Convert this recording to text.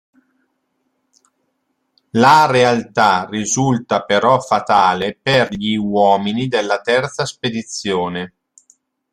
La realtà risulta però fatale per gli uomini della terza spedizione.